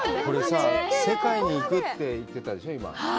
これさ、世界に行くって言ってたでしょう、今。